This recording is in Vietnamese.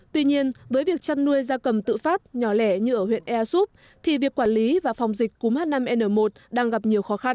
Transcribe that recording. tuy nhiên với việc chăn nuôi gia cầm tự phát nhỏ lẻ như ở huyện ea súp thì việc quản lý và phòng dịch cúm h năm n một đang gặp nhiều khó khăn